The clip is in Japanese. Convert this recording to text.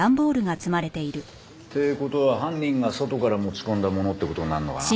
って事は犯人が外から持ち込んだものって事になるのかな？